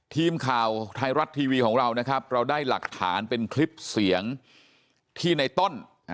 ทีมข่าวไทยรัฐทีวีของเรานะครับเราได้หลักฐานเป็นคลิปเสียงที่ในต้น